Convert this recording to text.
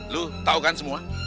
lu tau kan semua